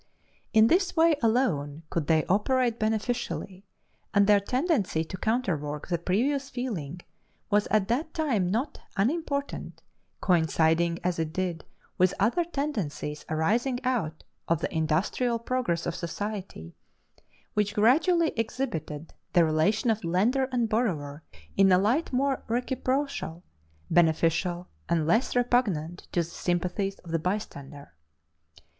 In this way alone could they operate beneficially, and their tendency to counterwork the previous feeling was at that time not unimportant, coinciding as it did with other tendencies arising out of the industrial progress of society, which gradually exhibited the relation of lender and borrower in a light more reciprocal, beneficial, and less repugnant to the sympathies of the bystander.